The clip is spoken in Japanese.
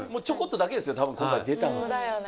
ちょこっとだけですよ多分今回出たの。